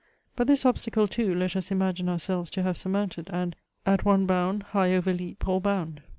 But this obstacle too let us imagine ourselves to have surmounted, and "at one bound high overleap all bound."